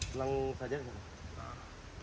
paling tidak ada pulangnya ada